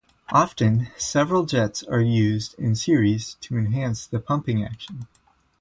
Often, several jets are used in series to enhance the pumping action.